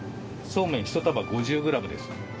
そうめん１束５０ｇです。